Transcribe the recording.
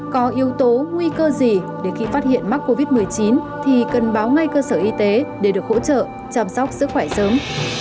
có yếu tố nguy cơ gì để khi phát hiện mắc covid một mươi chín thì cần báo ngay cơ sở y tế để được hỗ trợ chăm sóc sức khỏe sớm